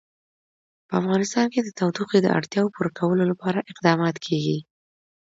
په افغانستان کې د تودوخه د اړتیاوو پوره کولو لپاره اقدامات کېږي.